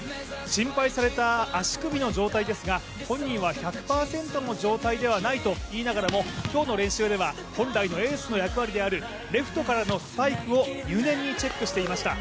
心配された足首の状態ですが本人は１００％の状態ではないと言いながらも今日の練習では、本来のエースの役割であるレフトからのスパイクを入念にチェックしていました。